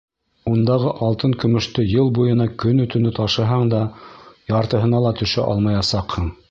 Ундағы алтын-көмөштө йыл буйына көнө-төнө ташыһаң да, яртыһына ла төшә алмаясаҡһың.